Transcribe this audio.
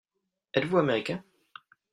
Êtes-vous Américain ?